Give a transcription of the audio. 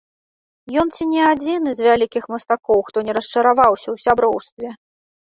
Ён ці не адзіны з вялікіх мастакоў, хто не расчараваўся ў сяброўстве.